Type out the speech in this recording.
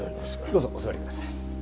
どうぞお座りください。